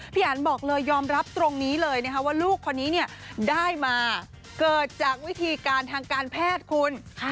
อันบอกเลยยอมรับตรงนี้เลยนะคะว่าลูกคนนี้ได้มาเกิดจากวิธีการทางการแพทย์คุณ